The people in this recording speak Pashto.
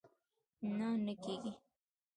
نه، نه کېږي